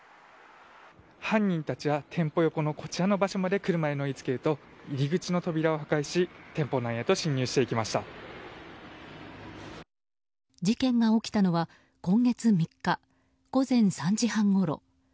犯人たちは店舗横のこちらの場所まで車で乗り付けると入り口の扉を破壊し事件が起きたのは今月３日午前３時半ごろ。